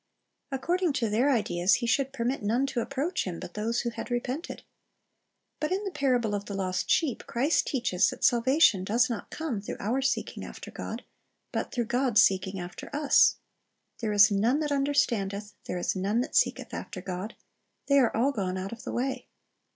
According to their ideas He should permit none to approach Him but those who had repented. But in the parable of the lost sheep, Christ teaches that salvation does not come through our seeking after God, but through God's seeking after us. "There is none that understandeth, there is none that seeketh after God. They are all gone out of the way."